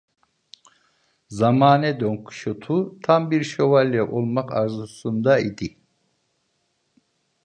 Zamane Don Kişot'u tam bir şövalye olmak arzusunda idi.